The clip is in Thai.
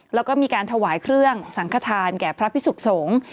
แล้วก็มีการถวายเครื่องสังขทานแก่พระพิสุขสงฆ์